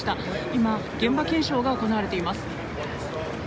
今、現場検証が行われています。